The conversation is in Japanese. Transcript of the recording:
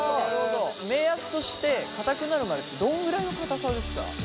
目安としてかたくなるまでってどのぐらいのかたさですか？